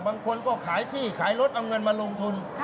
บางคนก็ขายที่ขายรถเอาเงินมาลงทุน